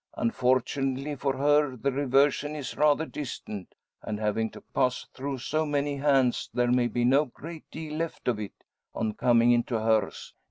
Unfortunately for her the reversion is rather distant, and having to pass through so many hands there may be no great deal left of it, on coming into hers.